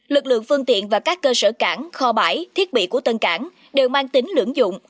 lực lượng phương tiện và các cơ sở cảng kho bãi thiết bị của tân cảng đều mang tính lưỡng dụng